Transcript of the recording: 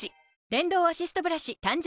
電動アシストブラシ誕生